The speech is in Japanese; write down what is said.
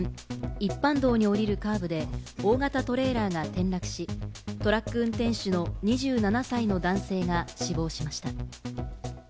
一般道に下りるカーブで大型トレーラーが転落し、トラック運転手の２７歳男性が死亡しました。